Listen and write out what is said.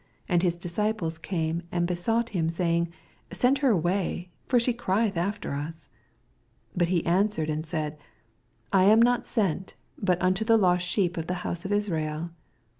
And his disdples came and hesonght hipi, saying, Send her away ; for sne orieth futer ns. 24 But he answered and said, I am not sent but unto the lost sheep of the house of Israel.